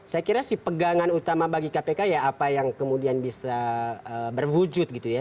saya kira sih pegangan utama bagi kpk ya apa yang kemudian bisa berwujud gitu ya